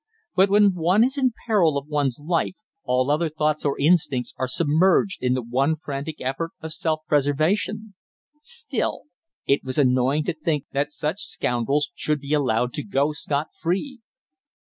But when one is in peril of one's life all other thoughts or instincts are submerged in the one frantic effort of self preservation. Still, it was annoying to think that such scoundrels should be allowed to go scot free.